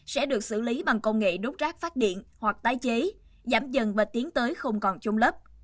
sẽ được xử lý bằng công nghệ đốt rác phát điện hoặc tái chế giảm dần và tiến tới không còn chung lớp